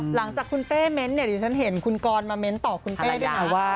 หลังจากคุณเป้เม้นต์เนี่ยดิฉันเห็นคุณกรมาเน้นต่อคุณเป้ด้วยนะว่า